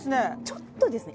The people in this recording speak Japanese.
ちょっとですね